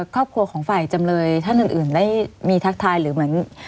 ครอบครัวของฝ่ายจำเลยท่านอื่นได้มีทักทายหรือเหมือน